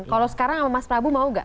kalau sekarang sama mas prabu mau gak